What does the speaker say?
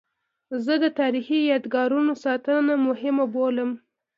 زه د تاریخي یادګارونو ساتنه مهمه بولم.